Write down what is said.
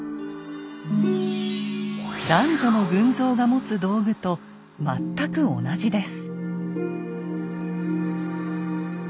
男女の群像が持つ道具と全く同じです。